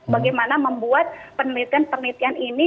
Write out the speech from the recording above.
bagaimana membuat penelitian penelitian ini